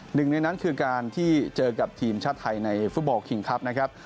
หนึ่งในนั้นคือการที่เจอกับทีมชาติไทยในฟุตบอลคิงคลับนะครับ